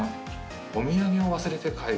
お土産を忘れて帰る。